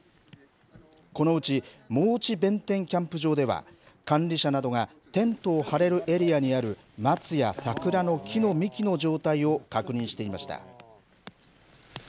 このうち望地弁天キャンプ場では、管理者などがテントを張れるエリアにある松や桜の木の幹の状態を確認していました。